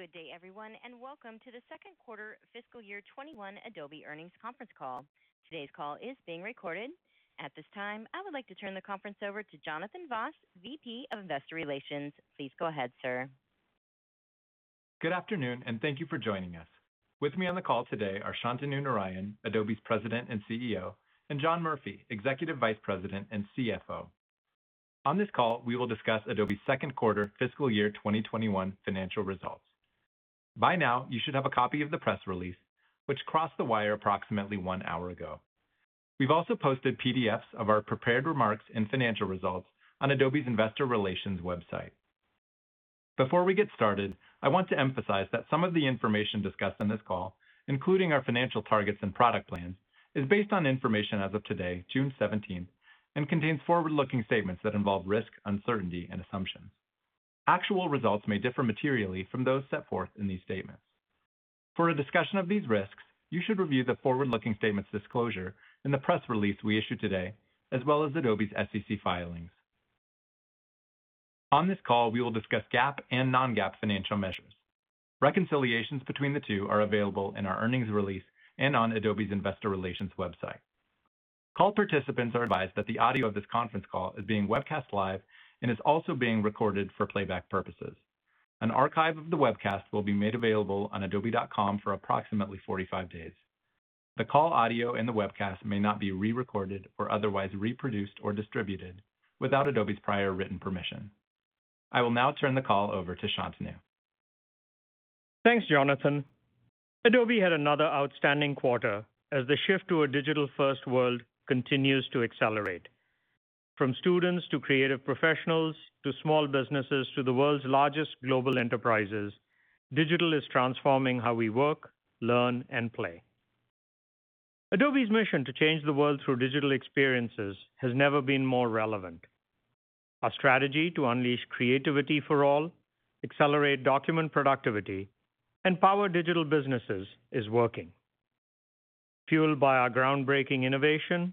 Good day, everyone, and welcome to the second quarter fiscal year 2021 Adobe earnings conference call. Today's call is being recorded. At this time, I would like to turn the conference over to Jonathan Vaas, VP of Investor Relations. Please go ahead, sir. Good afternoon, and thank you for joining us. With me on the call today are Shantanu Narayen, Adobe's President and CEO, and John Murphy, Executive Vice President and CFO. On this call, we will discuss Adobe's second quarter fiscal year 2021 financial results. By now, you should have a copy of the press release, which crossed the wire approximately one hour ago. We've also posted PDFs of our prepared remarks and financial results on Adobe's investor relations website. Before we get started, I want to emphasize that some of the information discussed on this call, including our financial targets and product plans, is based on information as of today, June 17th, and contains forward-looking statements that involve risk, uncertainty, and assumptions. Actual results may differ materially from those set forth in these statements. For a discussion of these risks, you should review the forward-looking statements disclosure in the press release we issued today, as well as Adobe's SEC filings. On this call, we will discuss GAAP and non-GAAP financial measures. Reconciliations between the two are available in our earnings release and on Adobe's investor relations website. Call participants are advised that the audio of this conference call is being webcast live and is also being recorded for playback purposes. An archive of the webcast will be made available on adobe.com for approximately 45 days. The call audio and the webcast may not be re-recorded or otherwise reproduced or distributed without Adobe's prior written permission. I will now turn the call over to Shantanu. Thanks, Jonathan. Adobe had another outstanding quarter as the shift to a digital-first world continues to accelerate. From students to creative professionals, to small businesses, to the world's largest global enterprises, digital is transforming how we work, learn, and play. Adobe's mission to change the world through digital experiences has never been more relevant. Our strategy to unleash creativity for all, accelerate document productivity, and power digital businesses is working. Fueled by our groundbreaking innovation,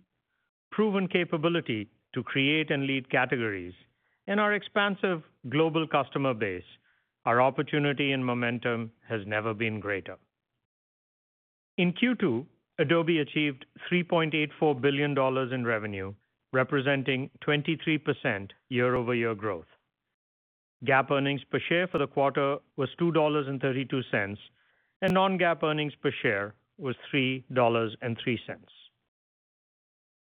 proven capability to create and lead categories, and our expansive global customer base, our opportunity and momentum has never been greater. In Q2, Adobe achieved $3.84 billion in revenue, representing 23% year-over-year growth. GAAP earnings per share for the quarter was $2.32, and non-GAAP earnings per share was $3.03.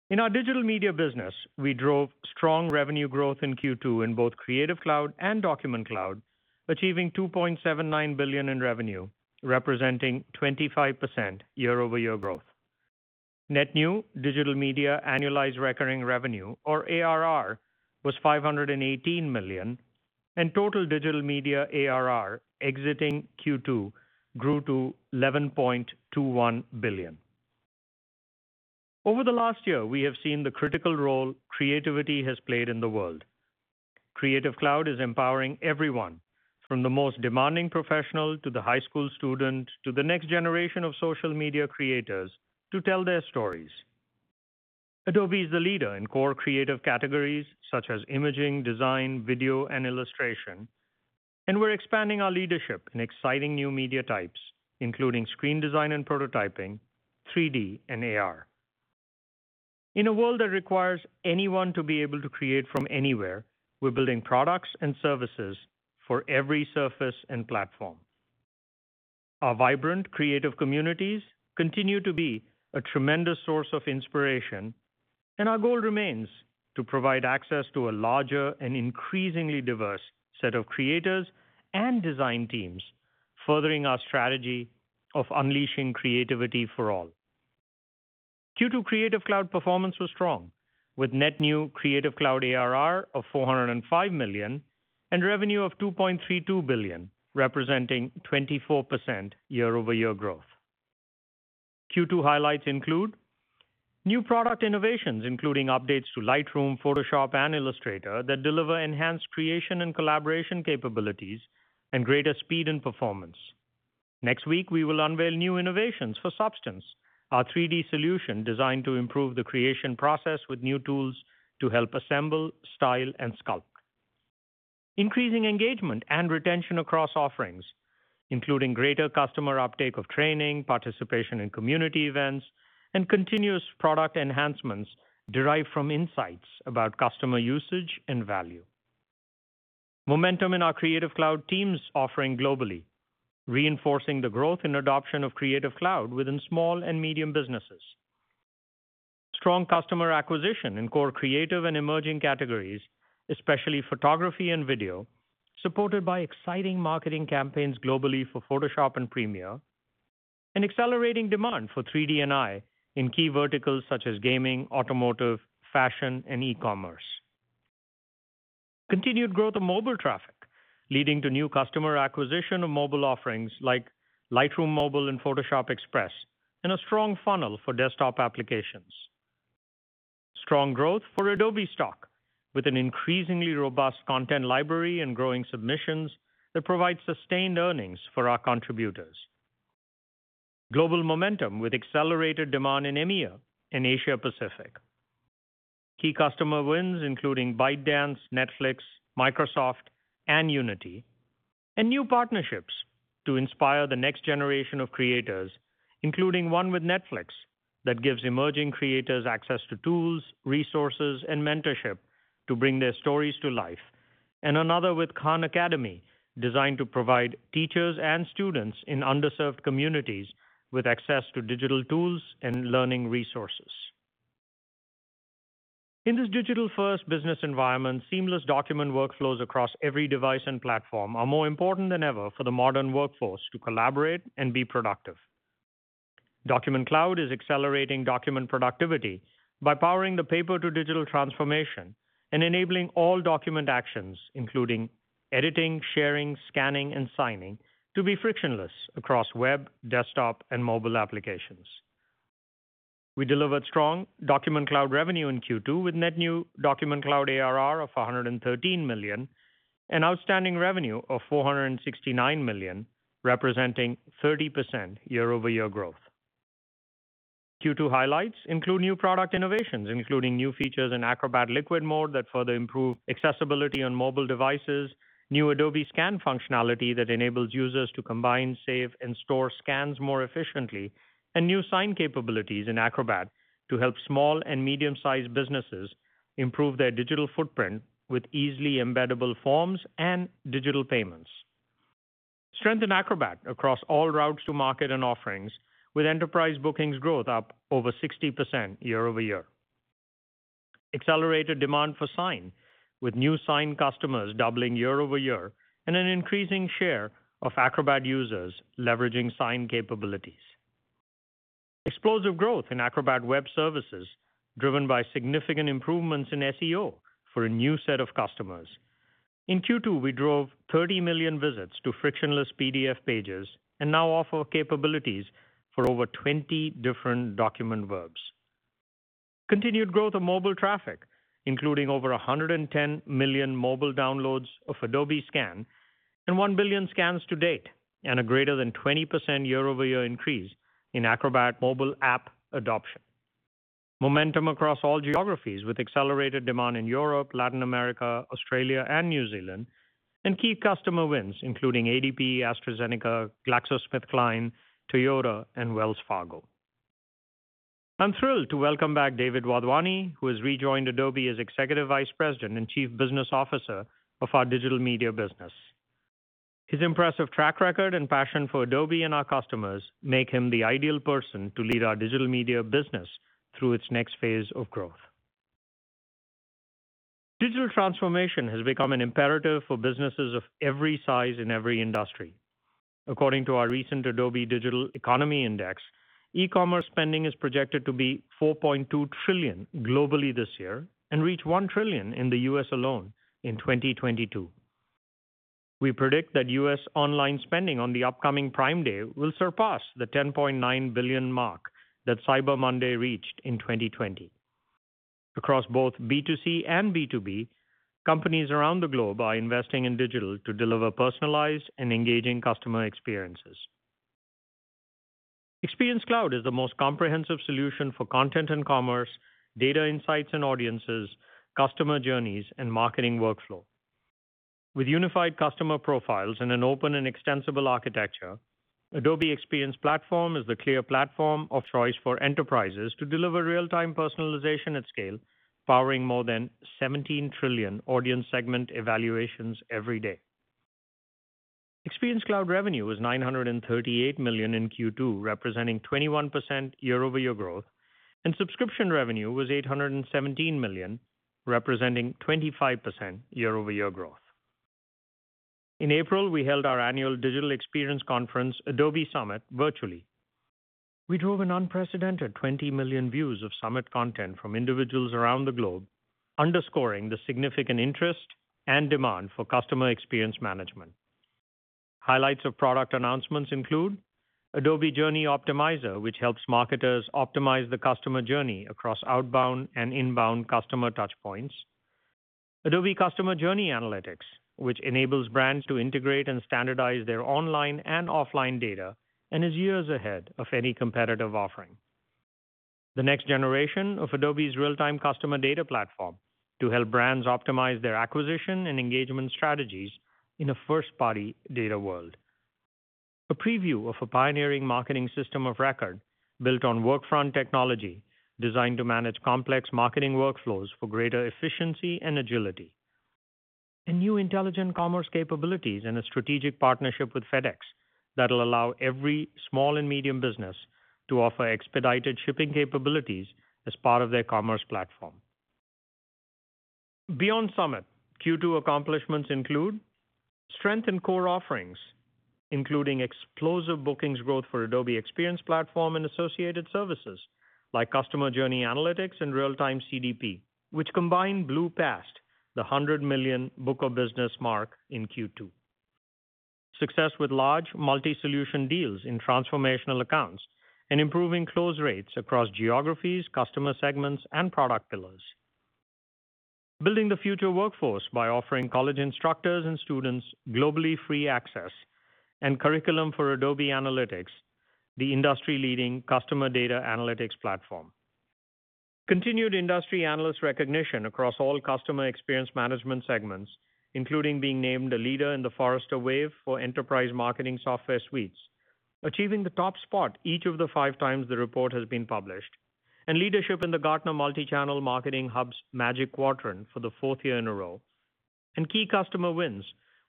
In our Digital Media business, we drove strong revenue growth in Q2 in both Creative Cloud and Document Cloud, achieving $2.79 billion in revenue, representing 25% year-over-year growth. Net new Digital Media annualized recurring revenue, or ARR, was $518 million, and total Digital Media ARR exiting Q2 grew to $11.21 billion. Over the last year, we have seen the critical role creativity has played in the world. Creative Cloud is empowering everyone, from the most demanding professional to the high school student, to the next generation of social media creators to tell their stories. Adobe is a leader in core creative categories such as imaging, design, video, and illustration, and we're expanding our leadership in exciting new media types, including screen design and prototyping, 3D, and AR. In a world that requires anyone to be able to create from anywhere, we're building products and services for every surface and platform. Our vibrant creative communities continue to be a tremendous source of inspiration, and our goal remains to provide access to a larger and increasingly diverse set of creators and design teams, furthering our strategy of unleashing creativity for all. Q2 Creative Cloud performance was strong, with net new Creative Cloud ARR of $405 million and revenue of $2.32 billion, representing 24% year-over-year growth. Q2 highlights include new product innovations, including updates to Lightroom, Photoshop, and Illustrator that deliver enhanced creation and collaboration capabilities and greater speed and performance. Next week, we will unveil new innovations for Substance, our 3D solution designed to improve the creation process with new tools to help assemble, style, and sculpt. Increasing engagement and retention across offerings, including greater customer uptake of training, participation in community events, and continuous product enhancements derived from insights about customer usage and value. Momentum in our Creative Cloud for teams offering globally, reinforcing the growth and adoption of Creative Cloud within small and medium businesses. Strong customer acquisition in core creative and emerging categories, especially photography and video, supported by exciting marketing campaigns globally for Photoshop and Premiere, and accelerating demand for 3D and Immersive in key verticals such as gaming, automotive, fashion, and e-commerce. Continued growth of mobile traffic, leading to new customer acquisition of mobile offerings like Lightroom Mobile and Photoshop Express in a strong funnel for desktop applications. Strong growth for Adobe Stock, with an increasingly robust content library and growing submissions that provide sustained earnings for our contributors. Global momentum with accelerated demand in EMEA and Asia Pacific. Key customer wins including ByteDance, Netflix, Microsoft, and Unity, and new partnerships to inspire the next generation of creators, including one with Netflix that gives emerging creators access to tools, resources, and mentorship to bring their stories to life, and another with Khan Academy, designed to provide teachers and students in underserved communities with access to digital tools and learning resources. In this digital-first business environment, seamless document workflows across every device and platform are more important than ever for the modern workforce to collaborate and be productive. Document Cloud is accelerating document productivity by powering the paper to digital transformation and enabling all document actions, including editing, sharing, scanning, and signing, to be frictionless across web, desktop, and mobile applications. We delivered strong Document Cloud revenue in Q2 with net new Document Cloud ARR of $113 million and outstanding revenue of $469 million, representing 30% year-over-year growth. Q2 highlights include new product innovations, including new features in Acrobat Liquid Mode that further improve accessibility on mobile devices, new Adobe Scan functionality that enables users to combine, save, and store scans more efficiently, and new Sign capabilities in Acrobat to help small and medium-sized businesses improve their digital footprint with easily embeddable forms and digital payments. Strength in Acrobat across all routes to market and offerings with enterprise bookings growth up over 60% year-over-year. Accelerated demand for Sign with new Sign customers doubling year-over-year and an increasing share of Acrobat users leveraging Sign capabilities. Explosive growth in Acrobat web services driven by significant improvements in SEO for a new set of customers. In Q2, we drove 30 million visits to frictionless PDF pages and now offer capabilities for over 20 different document verbs. Continued growth of mobile traffic, including over 110 million mobile downloads of Adobe Scan and 1 billion scans to date, and a greater than 20% year-over-year increase in Acrobat mobile app adoption. Momentum across all geographies with accelerated demand in Europe, Latin America, Australia, and New Zealand, and key customer wins including ADP, AstraZeneca, GlaxoSmithKline, Toyota, and Wells Fargo. I'm thrilled to welcome back David Wadhwani, who has rejoined Adobe as Executive Vice President and Chief Business Officer of our Digital Media business. His impressive track record and passion for Adobe and our customers make him the ideal person to lead our Digital Media business through its next phase of growth. Digital transformation has become an imperative for businesses of every size in every industry. According to our recent Adobe Digital Economy Index, e-commerce spending is projected to be $4.2 trillion globally this year and reach $1 trillion in the U.S. alone in 2022. We predict that U.S. online spending on the upcoming Prime Day will surpass the $10.9 billion mark that Cyber Monday reached in 2020. Across both B2C and B2B, companies around the globe are investing in digital to deliver personalized and engaging customer experiences. Experience Cloud is the most comprehensive solution for content and commerce, data insights and audiences, customer journeys, and marketing workflow. With unified customer profiles and an open and extensible architecture, Adobe Experience Platform is the clear platform of choice for enterprises to deliver real-time personalization at scale, powering more than 17 trillion audience segment evaluations every day. Experience Cloud revenue was $938 million in Q2, representing 21% year-over-year growth, and subscription revenue was $817 million, representing 25% year-over-year growth. In April, we held our annual digital experience conference, Adobe Summit, virtually. We drove an unprecedented 20 million views of Summit content from individuals around the globe, underscoring the significant interest and demand for customer experience management. Highlights of product announcements include Adobe Journey Optimizer, which helps marketers optimize the customer journey across outbound and inbound customer touchpoints, Adobe Customer Journey Analytics, which enables brands to integrate and standardize their online and offline data and is years ahead of any competitive offering. The next generation of Adobe's Real-Time Customer Data Platform to help brands optimize their acquisition and engagement strategies in a first-party data world. A preview of a pioneering marketing system of record built on Workfront technology designed to manage complex marketing workflows for greater efficiency and agility, and new intelligent commerce capabilities and a strategic partnership with FedEx that will allow every small and medium business to offer expedited shipping capabilities as part of their commerce platform. Beyond Summit, Q2 accomplishments include strength in core offerings, including explosive bookings growth for Adobe Experience Platform and associated services like Customer Journey Analytics and Real-Time CDP, which combined blew past the $100 million book of business mark in Q2. Success with large multi-solution deals in transformational accounts and improving close rates across geographies, customer segments, and product pillars. Building the future workforce by offering college instructors and students globally free access and curriculum for Adobe Analytics, the industry-leading customer data analytics platform. Continued industry analyst recognition across all customer experience management segments, including being named a leader in the Forrester Wave for enterprise marketing software suites, achieving the top spot each of the 5 times the report has been published, and leadership in the Gartner Magic Quadrant for Multichannel Marketing Hubs for the 4th year in a row, and key customer wins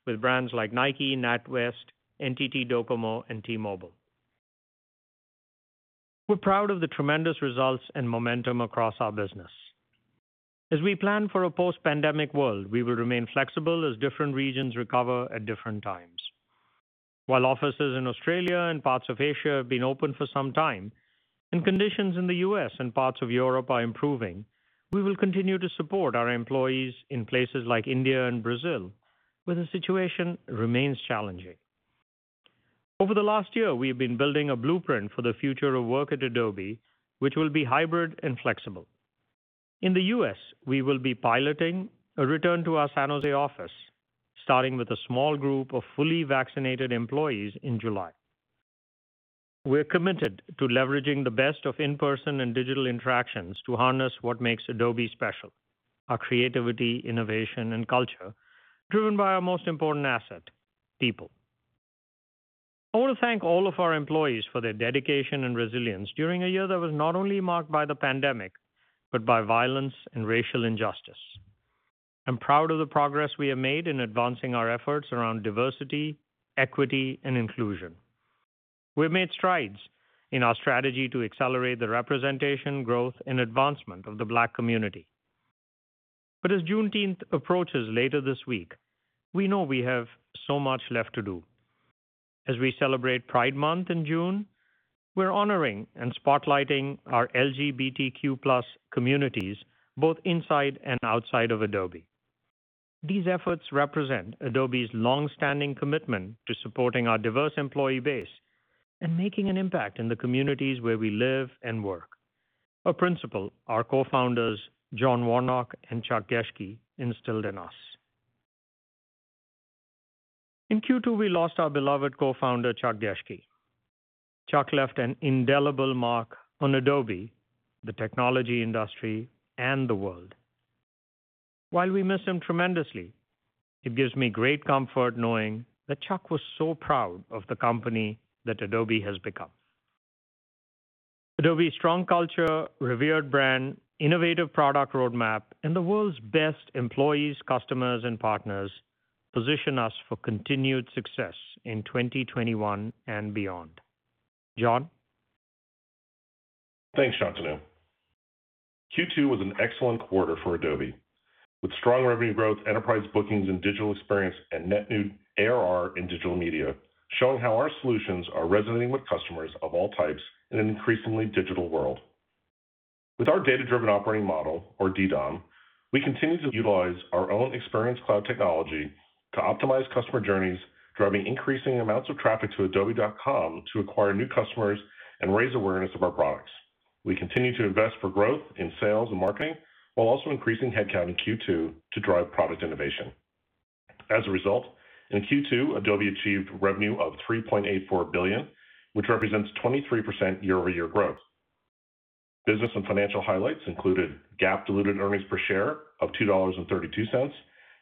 with brands like Nike, NatWest, NTT Docomo, and T-Mobile. We're proud of the tremendous results and momentum across our business. As we plan for a post-pandemic world, we will remain flexible as different regions recover at different times. While offices in Australia and parts of Asia have been open for some time, and conditions in the U.S. and parts of Europe are improving, we will continue to support our employees in places like India and Brazil, where the situation remains challenging. Over the last year, we've been building a blueprint for the future of work at Adobe, which will be hybrid and flexible. In the U.S., we will be piloting a return to our San Jose office, starting with a small group of fully vaccinated employees in July. We're committed to leveraging the best of in-person and digital interactions to harness what makes Adobe special, our creativity, innovation, and culture, driven by our most important asset, people. I want to thank all of our employees for their dedication and resilience during a year that was not only marked by the pandemic, but by violence and racial injustice. I'm proud of the progress we have made in advancing our efforts around diversity, equity, and inclusion. We've made strides in our strategy to accelerate the representation, growth, and advancement of the Black community. As Juneteenth approaches later this week, we know we have so much left to do. As we celebrate Pride Month in June, we're honoring and spotlighting our LGBTQ+ communities both inside and outside of Adobe. These efforts represent Adobe's long-standing commitment to supporting our diverse employee base and making an impact in the communities where we live and work, a principle our co-founders, John Warnock and Chuck Geschke, instilled in us. In Q2, we lost our beloved co-founder, Chuck Geschke. Chuck left an indelible mark on Adobe, the technology industry, and the world. While we miss him tremendously, it gives me great comfort knowing that Chuck was so proud of the company that Adobe has become. Adobe's strong culture, revered brand, innovative product roadmap, and the world's best employees, customers, and partners position us for continued success in 2021 and beyond. John? Thanks, Shantanu. Q2 was an excellent quarter for Adobe, with strong revenue growth, enterprise bookings in Digital Experience, and net new ARR in Digital Media showing how our solutions are resonating with customers of all types in an increasingly digital world. With our data-driven operating model, or DDOM, we continue to utilize our own Experience Cloud technology to optimize customer journeys, driving increasing amounts of traffic to adobe.com to acquire new customers and raise awareness of our products. We continue to invest for growth in sales and marketing, while also increasing headcount in Q2 to drive product innovation. As a result, in Q2, Adobe achieved revenue of $3.84 billion, which represents 23% year-over-year growth. Business and financial highlights included GAAP diluted earnings per share of $2.32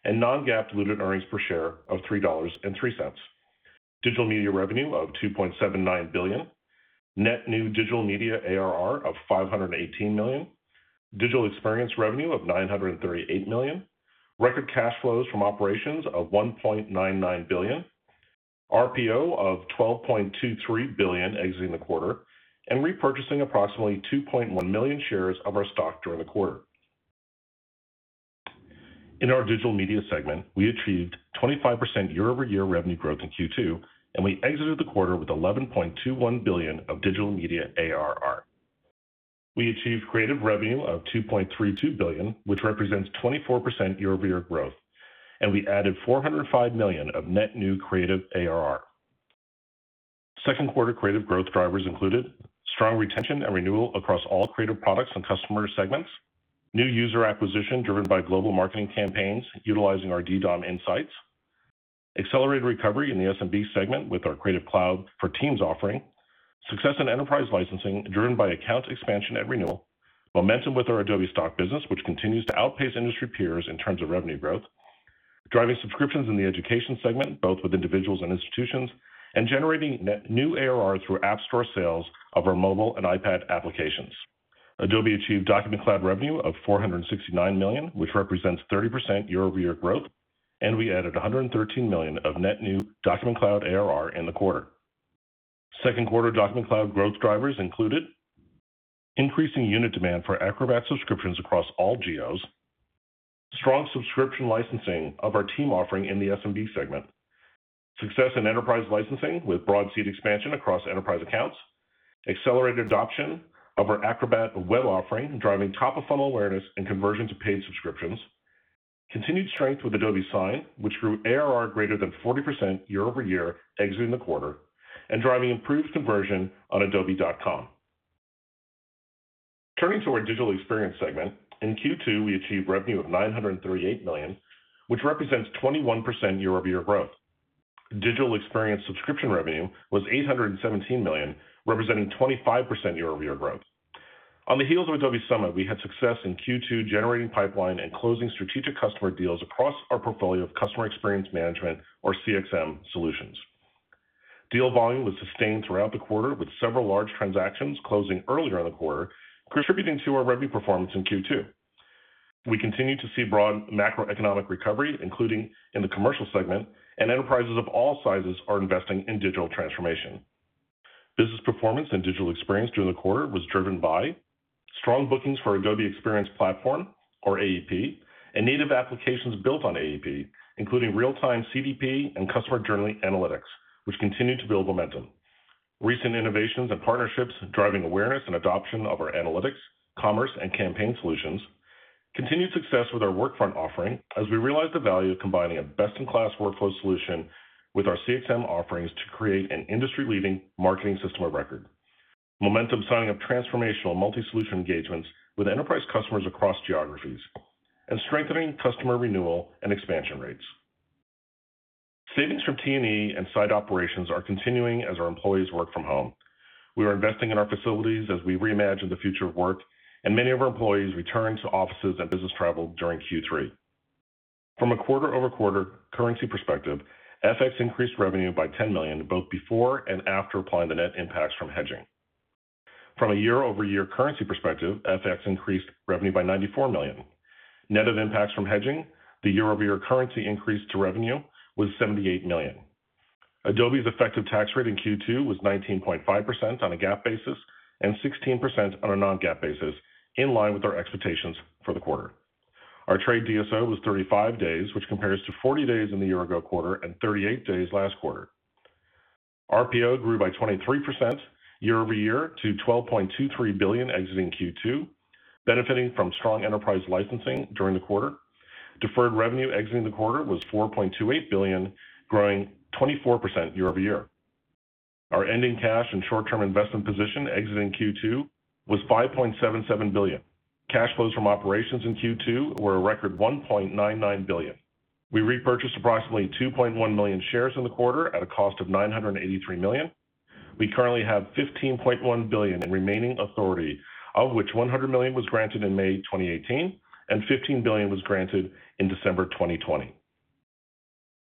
and non-GAAP diluted earnings per share of $3.03, Digital Media revenue of $2.79 billion, net new Digital Media ARR of $518 million, Digital Experience revenue of $938 million, record cash flows from operations of $1.99 billion, RPO of $12.23 billion exiting the quarter, and repurchasing approximately 2.1 million shares of our stock during the quarter. In our Digital Media segment, we achieved 25% year-over-year revenue growth in Q2. We exited the quarter with $11.21 billion of Digital Media ARR. We achieved Creative revenue of $2.32 billion, which represents 24% year-over-year growth. We added $405 million of net new Creative ARR. Second quarter creative growth drivers included strong retention and renewal across all creative products and customer segments, new user acquisition driven by global marketing campaigns utilizing our DDOM insights, accelerated recovery in the SMB segment with our Creative Cloud for Teams offering, success and enterprise licensing driven by account expansion and renewal, momentum with our Adobe Stock business, which continues to outpace industry peers in terms of revenue growth, driving subscriptions in the education segment, both with individuals and institutions, and generating net new ARRs through app store sales of our mobile and iPad applications. Adobe achieved Document Cloud revenue of $469 million, which represents 30% year-over-year growth, and we added $113 million of net new Document Cloud ARR in the quarter. Second quarter Document Cloud growth drivers included increasing unit demand for Acrobat subscriptions across all geos, strong subscription licensing of our team offering in the SMB segment, success in enterprise licensing with broad seat expansion across enterprise accounts, accelerated adoption of our Acrobat web offering, driving top-of-funnel awareness and conversion to paid subscriptions, continued strength with Adobe Sign, which grew ARR greater than 40% year-over-year exiting the quarter, and driving improved conversion on adobe.com. Turning to our Digital Experience segment, in Q2, we achieved revenue of $938 million, which represents 21% year-over-year growth. Digital Experience subscription revenue was $817 million, representing 25% year-over-year growth. On the heels of Adobe Summit, we had success in Q2 generating pipeline and closing strategic customer deals across our portfolio of customer experience management, or CXM, solutions. Deal volume was sustained throughout the quarter, with several large transactions closing earlier in the quarter, contributing to our revenue performance in Q2. We continue to see broad macroeconomic recovery, including in the commercial segment, and enterprises of all sizes are investing in digital transformation. Business performance in Digital Experience during the quarter was driven by strong bookings for Adobe Experience Platform, or AEP, and native applications built on AEP, including Real-Time CDP and Customer Journey Analytics, which continue to build momentum. Recent innovations and partnerships driving awareness and adoption of our analytics, commerce, and campaign solutions. Continued success with our Workfront offering as we realize the value of combining a best-in-class workflow solution with our CXM offerings to create an industry-leading marketing system of record. Momentum signing of transformational multi-solution engagements with enterprise customers across geographies, and strengthening customer renewal and expansion rates. Savings from T&E and site operations are continuing as our employees work from home. We are investing in our facilities as we reimagine the future of work, and many of our employees return to offices and business travel during Q3. From a quarter-over-quarter currency perspective, FX increased revenue by $10 million both before and after applying the net impacts from hedging. From a year-over-year currency perspective, FX increased revenue by $94 million. Net of impacts from hedging, the year-over-year currency increase to revenue was $78 million. Adobe's effective tax rate in Q2 was 19.5% on a GAAP basis and 16% on a non-GAAP basis, in line with our expectations for the quarter. Our trade DSO was 35 days, which compares to 40 days in the year-ago quarter and 38 days last quarter. RPO grew by 23% year-over-year to $12.23 billion exiting Q2, benefiting from strong enterprise licensing during the quarter. Deferred revenue exiting the quarter was $4.28 billion, growing 24% year-over-year. Our ending cash and short-term investment position exiting Q2 was $5.77 billion. Cash flows from operations in Q2 were a record $1.99 billion. We repurchased approximately 2.1 million shares in the quarter at a cost of $983 million. We currently have $15.1 billion in remaining authority, of which $100 million was granted in May 2018 and $15 billion was granted in December 2020.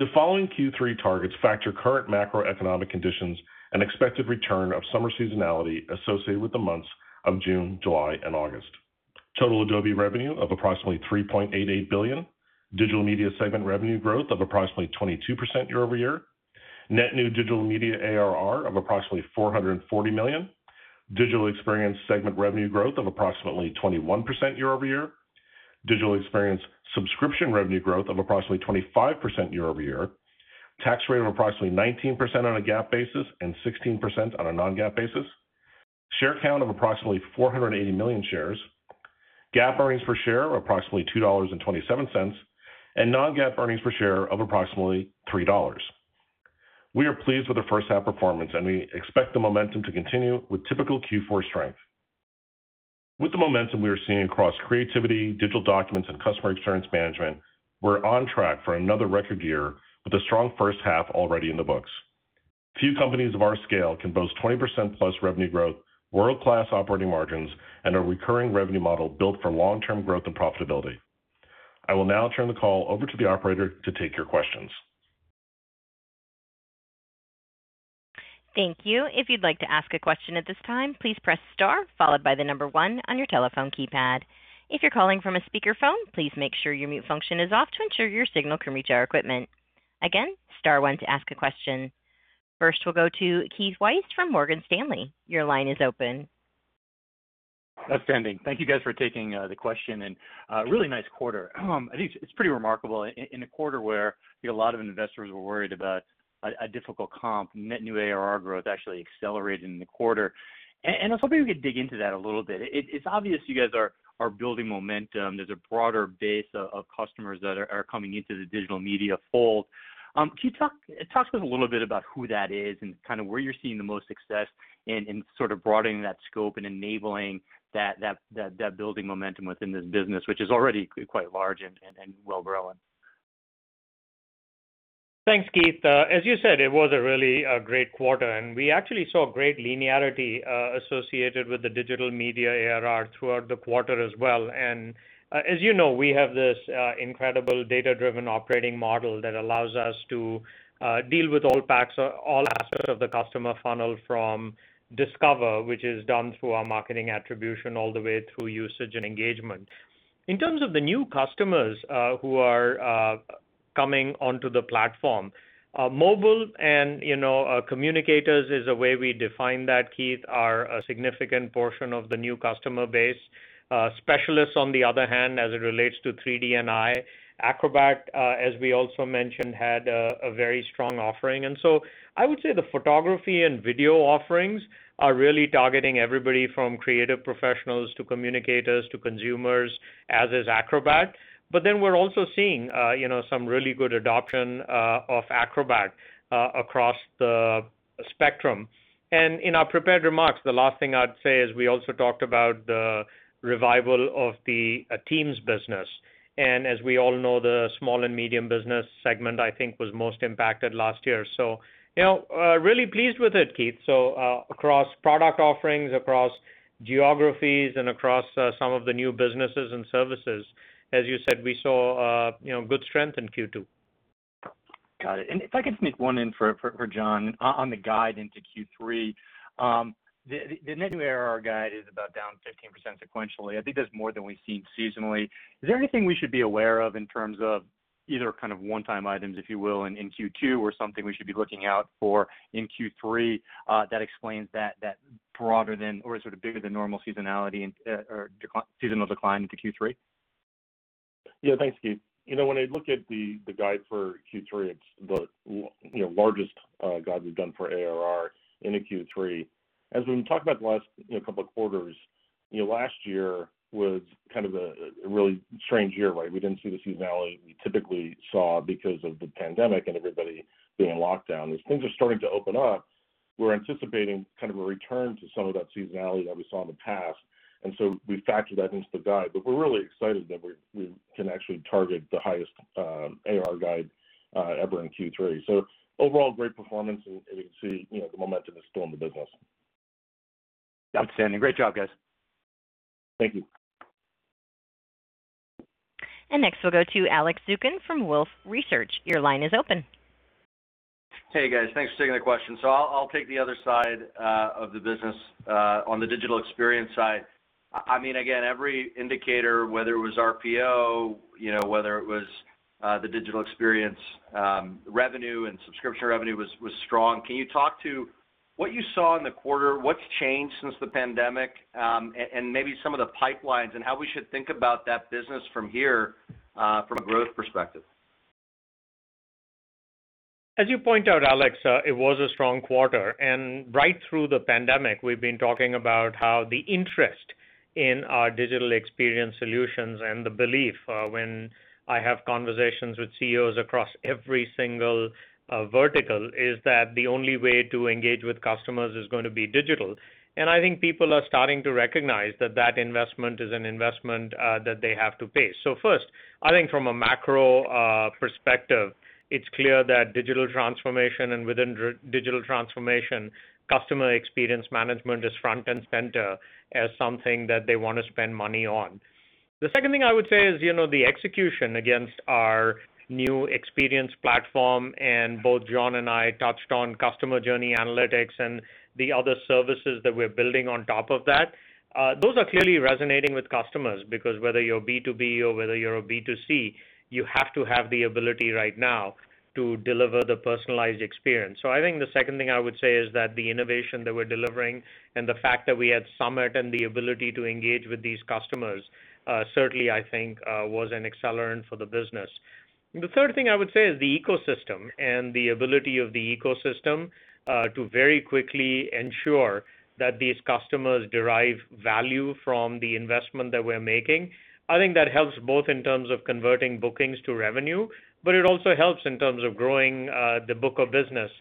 The following Q3 targets factor current macroeconomic conditions and expected return of summer seasonality associated with the months of June, July, and August. Total Adobe revenue of approximately $3.88 billion. Digital Media segment revenue growth of approximately 22% year-over-year. Net new Digital Media ARR of approximately $440 million. Digital Experience segment revenue growth of approximately 21% year-over-year. Digital Experience subscription revenue growth of approximately 25% year-over-year. Tax rate of approximately 19% on a GAAP basis and 16% on a non-GAAP basis. Share count of approximately 480 million shares. GAAP earnings per share of approximately $2.27. Non-GAAP earnings per share of approximately $3. We are pleased with the first half performance, and we expect the momentum to continue with typical Q4 strength. With the momentum we are seeing across Creativity, Digital Documents, and Customer Experience Management, we're on track for another record year with a strong first half already in the books. Few companies of our scale can boast 20%+ revenue growth, world-class operating margins, and a recurring revenue model built for long-term growth and profitability. I will now turn the call over to the operator to take your questions. Thank you if you would like to ask a question at this time please press star followed by number one on your telephone keypad. If you are calling from a speaker phone please make sure you mute function at all to make sure your signal commit to our equipment. Again star one to ask question First we'll go to Keith Weiss from Morgan Stanley. Your line is open. That's fair. Thank you guys for taking the question and really nice quarter. I think it's pretty remarkable in a quarter where a lot of investors were worried about a difficult comp, net new ARR growth actually accelerating in the quarter. I was hoping we could dig into that a little bit. It's obvious you guys are building momentum. There's a broader base of customers that are coming into the Digital Media fold. Can you talk to me a little bit about who that is and where you're seeing the most success in broadening that scope and enabling that building momentum within this business, which is already quite large and well grown? Thanks, Keith. As you said, it was a really great quarter, and we actually saw great linearity associated with the Digital Media ARR throughout the quarter as well. As you know, we have this incredible data-driven operating model that allows us to deal with all aspects of the customer funnel from discover, which is done through our marketing attribution, all the way through usage and engagement. In terms of the new customers who are coming onto the platform, mobile and communicators is the way we define that, Keith, are a significant portion of the new customer base. Specialists, on the other hand, as it relates to 3D and AR. Acrobat, as we also mentioned, had a very strong offering. I would say the photography and video offerings are really targeting everybody from creative professionals to communicators to consumers, as is Acrobat. We're also seeing some really good adoption of Acrobat across the spectrum. In our prepared remarks, the last thing I'd say is we also talked about the revival of the Teams business. As we all know, the small and medium business segment, I think, was most impacted last year. Really pleased with it, Keith. Across product offerings, across geographies, and across some of the new businesses and services, as you said, we saw good strength in Q2. Got it. If I can sneak one in for John on the guide into Q3. The net new ARR guide is about down 15% sequentially. I think that's more than we've seen seasonally. Is there anything we should be aware of in terms of either one-time items, if you will, in Q2 or something we should be looking out for in Q3 that explains that broader than, or sort of bigger than normal seasonality or seasonal decline into Q3? Yeah, thanks, Keith. When I look at the guide for Q3, it's the largest guide we've done for ARR in a Q3. As we've talked about the last two quarters, last year was a really strange year, right? We didn't see the seasonality we typically saw because of the pandemic and everybody being locked down. As things are starting to open up, we're anticipating a return to some of that seasonality that we saw in the past. We factored that into the guide. We're really excited that we can actually target the highest ARR guide ever in Q3. Overall, great performance, and you can see the momentum is still in the business. Outstanding. Great job, guys. Thank you. Next we'll go to Alex Zukin from Wolfe Research. Your line is open. Hey, guys. Thanks for taking my question. I'll take the other side of the business on the Digital Experience side. Again, every indicator, whether it was RPO, whether it was the Digital Experience revenue and subscription revenue was strong. Can you talk to what you saw in the quarter, what's changed since the pandemic, and maybe some of the pipelines and how we should think about that business from here from a growth perspective? As you point out, Alex, it was a strong quarter, and right through the pandemic, we've been talking about how the interest in our digital experience solutions and the belief when I have conversations with CEOs across every single vertical is that the only way to engage with customers is going to be digital. I think people are starting to recognize that that investment is an investment that they have to pay. First, I think from a macro perspective, it's clear that digital transformation and within digital transformation, customer experience management is front and center as something that they want to spend money on. The second thing I would say is the execution against our new Adobe Experience Platform and both John and I touched on Adobe Customer Journey Analytics and the other services that we're building on top of that. Those are clearly resonating with customers because whether you're B2B or whether you're a B2C, you have to have the ability right now to deliver the personalized experience. I think the second thing I would say is that the innovation that we're delivering and the fact that we had Summit and the ability to engage with these customers certainly, I think, was an accelerant for the business. The third thing I would say is the ecosystem and the ability of the ecosystem to very quickly ensure that these customers derive value from the investment that we're making. I think that helps both in terms of converting bookings to revenue, but it also helps in terms of growing the book of business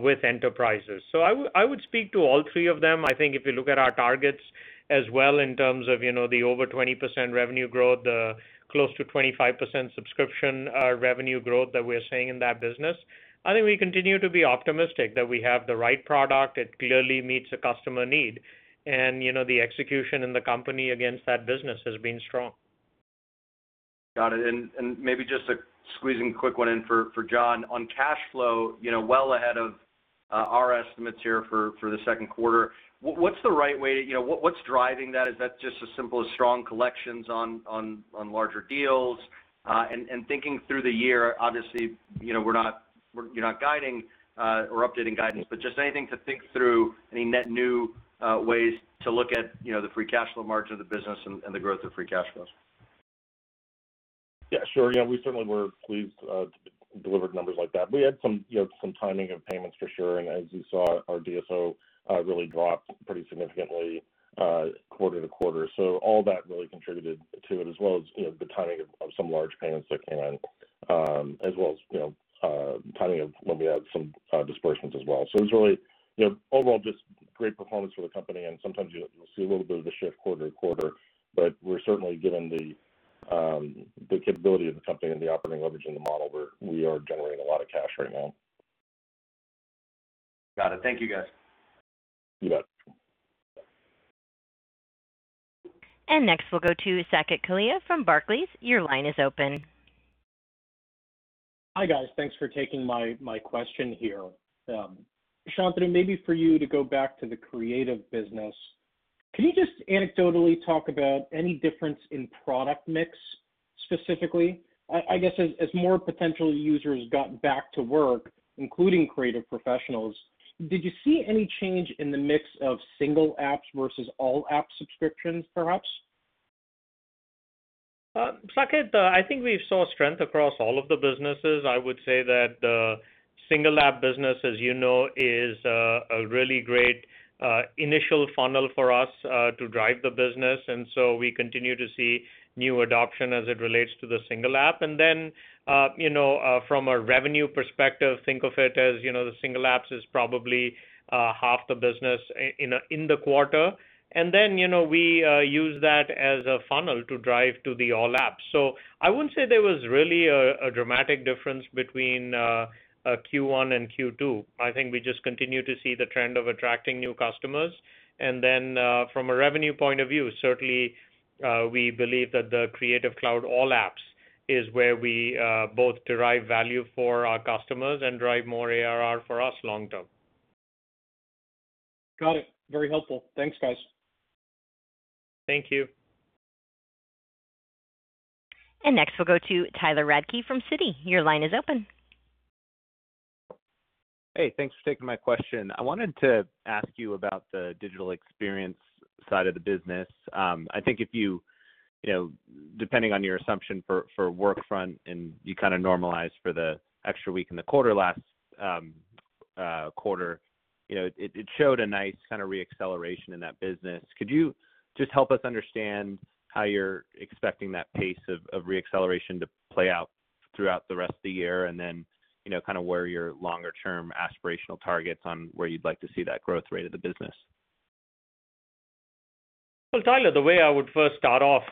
with enterprises. I would speak to all three of them. I think if you look at our targets as well in terms of the over 20% revenue growth, the close to 25% subscription revenue growth that we're seeing in that business, I think we continue to be optimistic that we have the right product that clearly meets the customer need. The execution in the company against that business has been strong. Got it. Maybe just squeezing a quick one in for John. On cash flow, well ahead of our estimates here for the second quarter, what's driving that? Is that just as simple as strong collections on larger deals? Thinking through the year, obviously you're not guiding or updating guidance, just anything to think through any net new ways to look at the free cash flow margin of the business and the growth of free cash flow? Yeah, sure. Yeah, we certainly were pleased to deliver numbers like that. We had some timing of payments for sure. As you saw, our DSO really dropped pretty significantly quarter-to-quarter. All that really contributed to it, as well as the timing of some large payments that came in, as well as timing of when we had some disbursements as well. It was really overall just great performance for the company, and sometimes you'll see a little bit of a shift quarter-to-quarter, but we're certainly given the capability of the company and the operating leverage in the model, we are generating a lot of cash right now. Got it. Thank you, guys. You got it. Next, we'll go to Saket Kalia from Barclays. Your line is open. Hi, guys. Thanks for taking my question here. Shantanu, maybe for you to go back to the Creative business. Can you just anecdotally talk about any difference in product mix specifically? I guess as more potential users got back to work, including creative professionals, did you see any change in the mix of single apps versus all app subscriptions, perhaps? Saket, I think we saw strength across all of the businesses. I would say that the Single App business, as you know, is a really great initial funnel for us to drive the business. We continue to see new adoption as it relates to the Single App. From a revenue perspective, think of it as the Single Apps is probably half the business in the quarter, we use that as a funnel to drive to the All Apps. I wouldn't say there was really a dramatic difference between Q1 and Q2. I think we just continue to see the trend of attracting new customers. From a revenue point of view, certainly, we believe that the Creative Cloud All Apps is where we both derive value for our customers and drive more ARR for us long term. Got it. Very helpful. Thanks, Shantanu. Thank you. Next, we'll go to Tyler Radke from Citi. Your line is open. Hey, thanks for taking my question. I wanted to ask you about the Digital Experience side of the business. I think depending on your assumption for Workfront, and you kind of normalize for the extra week in the quarter last quarter, it showed a nice kind of re-acceleration in that business. Could you just help us understand how you're expecting that pace of re-acceleration to play out throughout the rest of the year? Kind of where your longer-term aspirational targets on where you'd like to see that growth rate of the business? Well, Tyler, the way I would first start off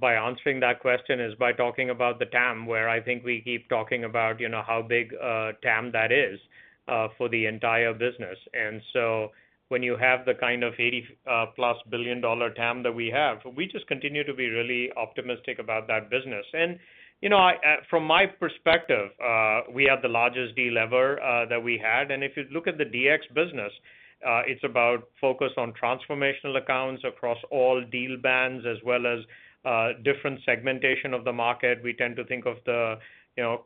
by answering that question is by talking about the TAM, where I think we keep talking about how big a TAM that is for the entire business. When you have the kind of $80+ billion TAM that we have, we just continue to be really optimistic about that business. From my perspective, we have the largest delever that we had. If you look at the DX business, it's about focus on transformational accounts across all deal bands as well as different segmentation of the market. We tend to think of the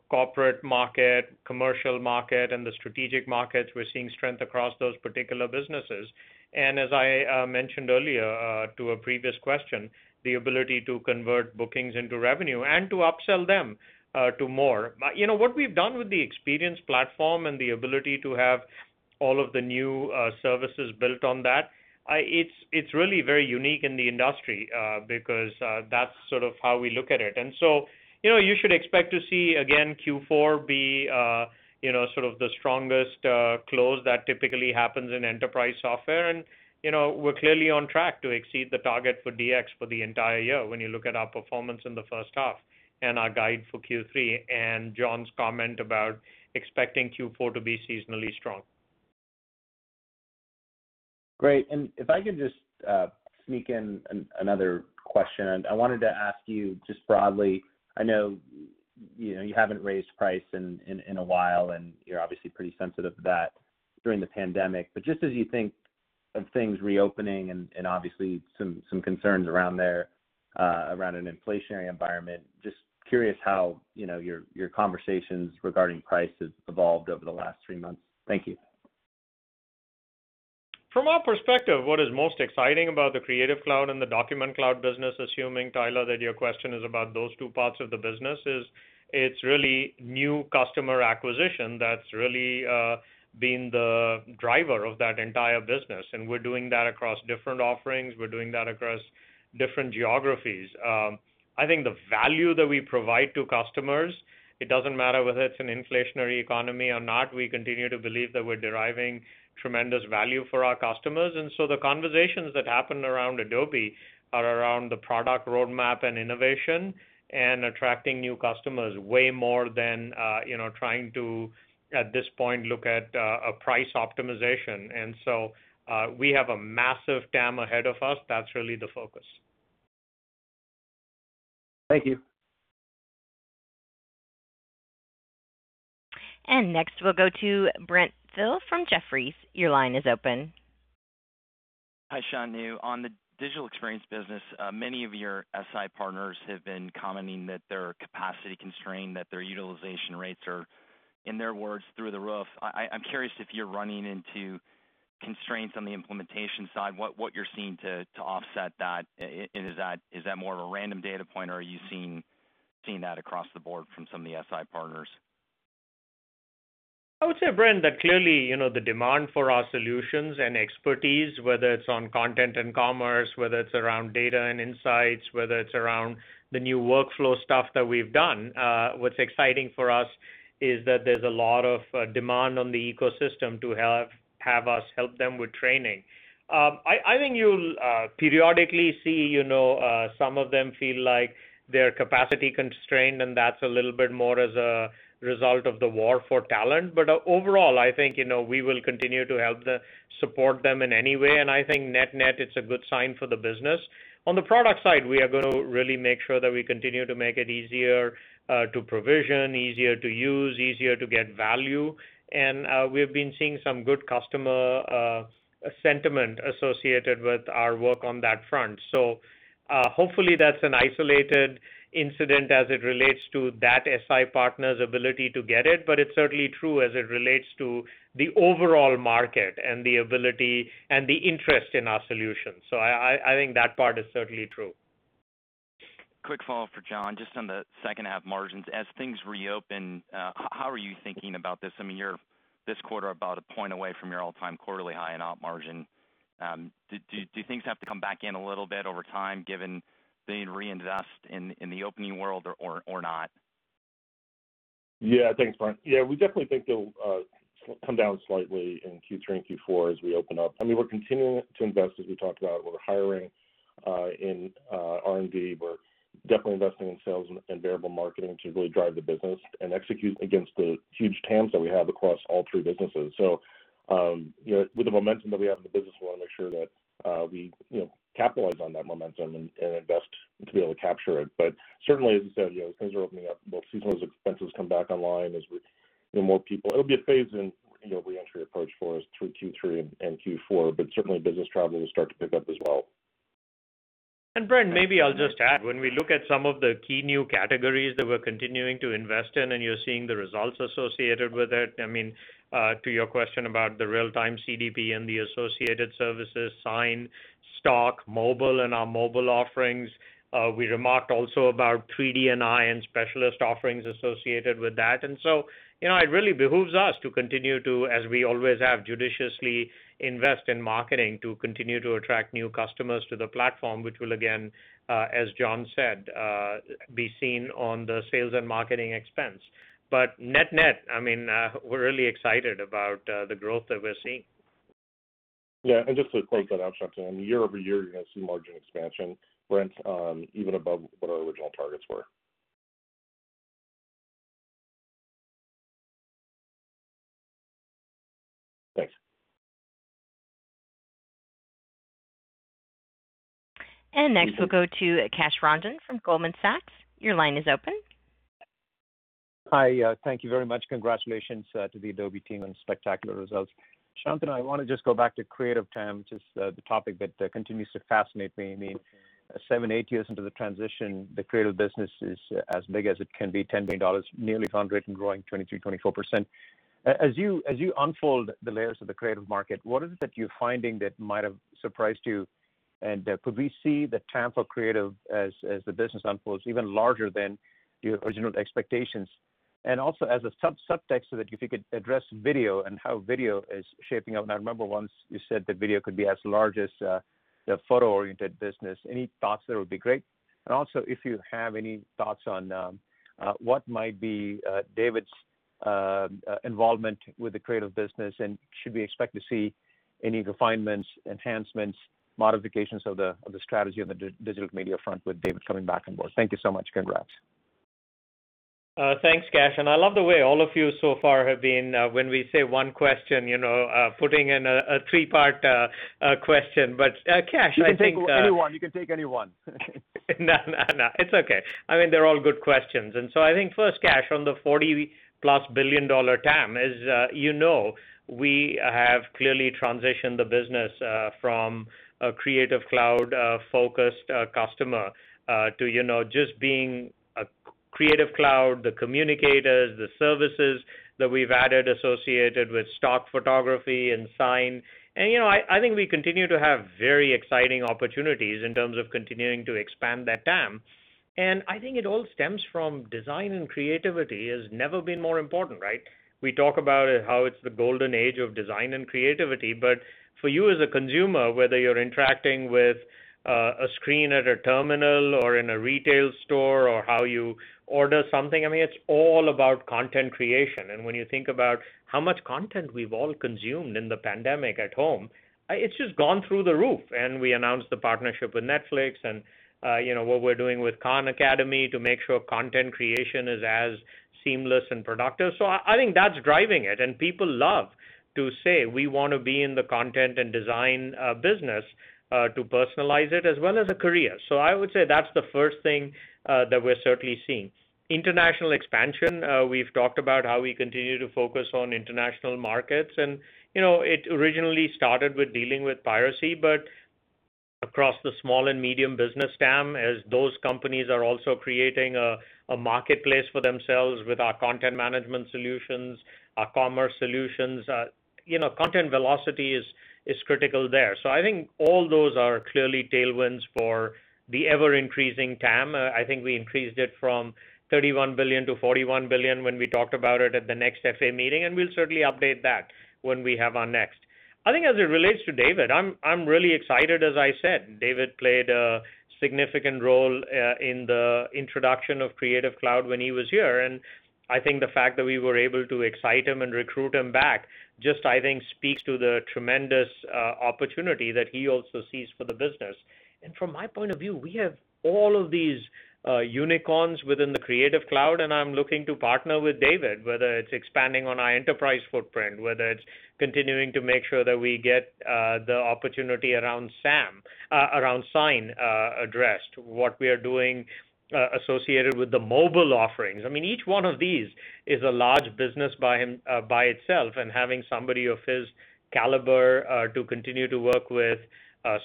corporate market, commercial market, and the strategic markets. We're seeing strength across those particular businesses. As I mentioned earlier to a previous question, the ability to convert bookings into revenue and to upsell them to more. What we've done with the experience platform and the ability to have all of the new services built on that, it's really very unique in the industry, because that's sort of how we look at it. You should expect to see, again, Q4 be sort of the strongest close that typically happens in enterprise software. We're clearly on track to exceed the target for DX for the entire year when you look at our performance in the first half and our guide for Q3, and John's comment about expecting Q4 to be seasonally strong. Great. If I could just sneak in another question. I wanted to ask you just broadly, I know you haven't raised price in a while, and you're obviously pretty sensitive to that during the pandemic, but just as you think of things reopening and obviously some concerns around an inflationary environment, just curious how your conversations regarding prices evolved over the last 3 months. Thank you. From our perspective, what is most exciting about the Creative Cloud and the Document Cloud business, assuming, Tyler, that your question is about those two parts of the business, is it's really new customer acquisition that's really been the driver of that entire business, and we're doing that across different offerings. We're doing that across different geographies. I think the value that we provide to customers, it doesn't matter whether it's an inflationary economy or not, we continue to believe that we're deriving tremendous value for our customers. The conversations that happen around Adobe are around the product roadmap and innovation and attracting new customers way more than trying to, at this point, look at a price optimization. We have a massive TAM ahead of us. That's really the focus. Thank you. Next, we'll go to Brent Thill from Jefferies. Your line is open. Hi, Shantanu. On the Digital Experience business, many of your SI partners have been commenting that they're capacity constrained, that their utilization rates are, in their words, through the roof. I'm curious if you're running into constraints on the implementation side, what you're seeing to offset that, and is that more of a random data point, or are you seeing that across the board from some of the SI partners? I would say, Brent, that clearly, the demand for our solutions and expertise, whether it's on content and commerce, whether it's around data and insights, whether it's around the new workflow stuff that we've done, what's exciting for us is that there's a lot of demand on the ecosystem to have us help them with training. I think you'll periodically see some of them feel like they're capacity constrained, and that's a little bit more as a result of the war for talent. Overall, I think, we will continue to help support them in any way. I think net-net, it's a good sign for the business. On the product side, we are going to really make sure that we continue to make it easier to provision, easier to use, easier to get value. We've been seeing some good customer sentiment associated with our work on that front. Hopefully that's an isolated incident as it relates to that SI partner's ability to get it, but it's certainly true as it relates to the overall market and the ability and the interest in our solutions. I think that part is certainly true. Quick follow-up for John, just on the second half margins. As things reopen, how are you thinking about this? This quarter about a point away from your all-time quarterly high in op margin. Do things have to come back in a little bit over time, given the reinvest in the opening world or not? Thanks, Brent. We definitely think they'll come down slightly in Q3 and Q4 as we open up. We're continuing to invest, as we talked about. We're hiring in R&D. We're definitely investing in sales and variable marketing to really drive the business and execute against the huge TAMs that we have across all three businesses. With the momentum that we have in the business, we want to make sure that we capitalize on that momentum and invest to be able to capture it. Certainly, as you said, things are opening up. We'll see some of those expenses come back online as we see more people. It'll be a phased and reentry approach for us through Q3 and Q4, but certainly business travel will start to pick up as well. Brent, maybe I'll just add, when we look at some of the key new categories that we're continuing to invest in, and you're seeing the results associated with it. To your question about the Real-Time CDP and the associated services, Sign, Stock, mobile, and our mobile offerings. We remarked also about 3D&I and specialist offerings associated with that. It really behooves us to continue to, as we always have, judiciously invest in marketing to continue to attract new customers to the platform, which will again, as John said, be seen on the sales and marketing expense. Net net, we're really excited about the growth that we're seeing. Yeah, just to quote that, absolutely. Year-over-year, you're going to see margin expansion, Brent, even above what our original targets were. Thanks. Next we'll go to Kash Rangan from Goldman Sachs. Your line is open. Hi. Thank you very much. Congratulations to the Adobe team on spectacular results. Shantanu, I want to just go back to Creative Cloud, just the topic that continues to fascinate me. Seven, eight years into the transition, the Creative business is as big as it can be, $10 billion, nearly 100, and growing 23%, 24%. As you unfold the layers of the Creative market, what is it that you're finding that might have surprised you? Could we see the TAM for Creative as the business unfolds even larger than the original expectations? As a sub-subject, so that you could address video and how video is shaping up. I remember once you said that video could be as large as the photo-oriented business. Any thoughts there would be great. Also, if you have any thoughts on what might be David's involvement with the Creative business, should we expect to see any refinements, enhancements, modifications of the strategy on the Digital Media front with David coming back on board? Thank you so much. Congrats. Thanks, Kash. I love the way all of you so far have been, when we say one question, putting in a three-part question. Kash, I think. You can take any one. No. It's okay. They're all good questions. First, Kash, from the $40+ billion TAM, as you know, we have clearly transitioned the business from a Creative Cloud-focused customer to just being a Creative Cloud, the communicators, the services that we've added associated with Adobe Stock and Sign. I think we continue to have very exciting opportunities in terms of continuing to expand that TAM. I think it all stems from design and creativity has never been more important, right? We talk about how it's the golden age of design and creativity. For you as a consumer, whether you're interacting with a screen at a terminal or in a retail store or how you order something, it's all about content creation. When you think about how much content we've all consumed in the pandemic at home, it's just gone through the roof. We announced the partnership with Netflix and what we're doing with Khan Academy to make sure content creation is as seamless and productive. I think that's driving it. People love to say, "We want to be in the content and design business to personalize it as well as a career." I would say that's the first thing that we're certainly seeing. International expansion, we've talked about how we continue to focus on international markets, and it originally started with dealing with piracy, but across the small and medium business TAM, as those companies are also creating a marketplace for themselves with our content management solutions, our commerce solutions, content velocity is critical there. I think all those are clearly tailwinds for the ever-increasing TAM. I think we increased it from $31 to 41 billion when we talked about it at the next FA meeting, and we'll certainly update that when we have our next. I think as it relates to David, I'm really excited. As I said, David played a significant role in the introduction of Creative Cloud when he was here, and I think the fact that we were able to excite him and recruit him back just, I think, speaks to the tremendous opportunity that he also sees for the business. From my point of view, we have all of these unicorns within the Creative Cloud, and I'm looking to partner with David, whether it's expanding on our enterprise footprint, whether it's continuing to make sure that we get the opportunity around Sign addressed, what we are doing associated with the mobile offerings. Each one of these is a large business by itself and having somebody of his caliber to continue to work with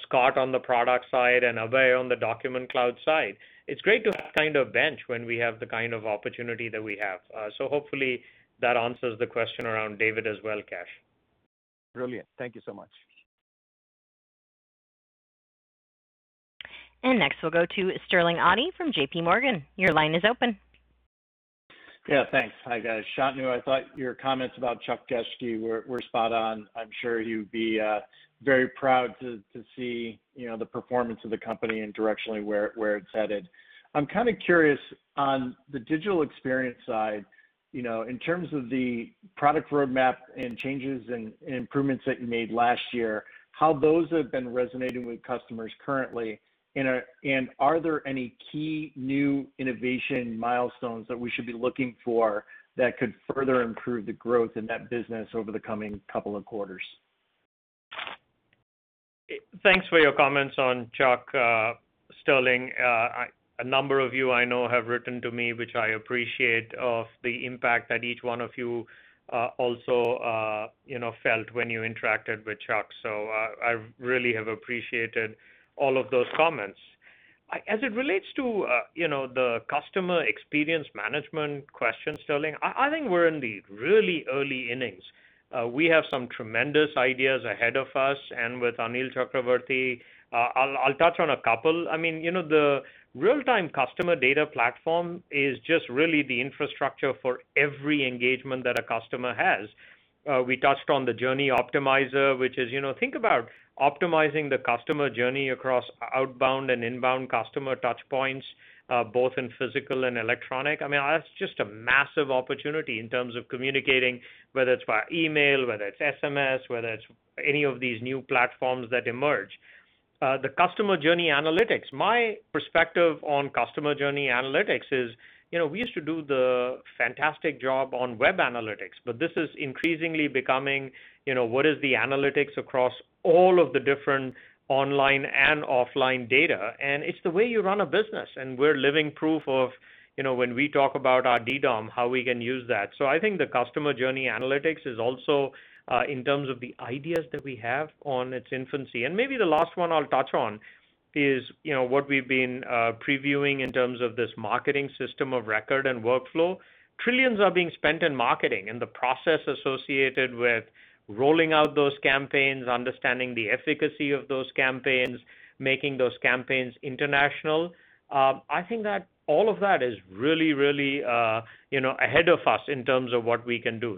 Scott on the product side and Abhay on the Document Cloud side. It's great to have that kind of bench when we have the kind of opportunity that we have. Hopefully that answers the question around David as well, Kash. Brilliant. Thank you so much. Next we'll go to Sterling Auty from JPMorgan. Your line is open. Yeah, thanks. Hi, guys. Shantanu, I thought your comments about Chuck Geschke were spot on. I'm sure he would be very proud to see the performance of the company and directionally where it's headed. I'm curious on the Digital Experience side, in terms of the product roadmap and changes and improvements that you made last year, how those have been resonating with customers currently, and are there any key new innovation milestones that we should be looking for that could further improve the growth in that business over the coming couple of quarters? Thanks for your comments on Chuck, Sterling. A number of you I know have written to me, which I appreciate, of the impact that each one of you also felt when you interacted with Chuck. I really have appreciated all of those comments. As it relates to the customer experience management question, Sterling, I think we're in the really early innings. We have some tremendous ideas ahead of us, and with Anil Chakravarthy, I'll touch on a couple. The Real-Time Customer Data Platform is just really the infrastructure for every engagement that a customer has. We touched on the Journey Optimizer, which is, think about optimizing the customer journey across outbound and inbound customer touchpoints, both in physical and electronic. That's just a massive opportunity in terms of communicating, whether it's via email, whether it's SMS, whether it's any of these new platforms that emerge. The Customer Journey Analytics, my perspective on Customer Journey Analytics is, we used to do the fantastic job on web analytics. This is increasingly becoming what is the analytics across all of the different online and offline data, and it's the way you run a business. We're living proof of when we talk about our DDOM, how we can use that. I think the Customer Journey Analytics is also, in terms of the ideas that we have, on its infancy. Maybe the last one I'll touch on is what we've been previewing in terms of this marketing system of record and workflow. Trillions are being spent in marketing. The process associated with rolling out those campaigns, understanding the efficacy of those campaigns, making those campaigns international. I think that all of that is really ahead of us in terms of what we can do.